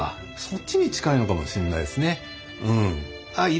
そっちに近いのかもしんないですね。